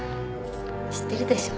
知ってるでしょ？